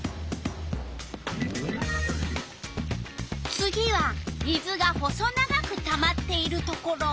次は水が細長くたまっているところ。